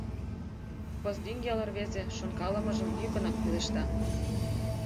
— Пыздӱҥ ял рвезе шонкалымыжым йӱкынак пелешта.